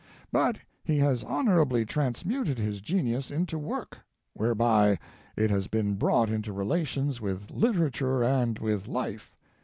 But he has honorably transmuted his genius into his work, whereby it has been brought into relations with literature and with life.